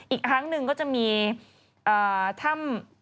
อีกครั้งหนึ่งก็จะมีถ้ำ